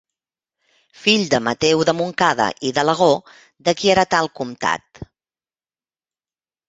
Fill de Mateu de Montcada i d'Alagó, de qui heretà el comtat.